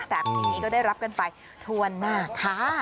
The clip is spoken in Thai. แบบนี้ก็ได้รับกันไปทั่วหน้าค่ะ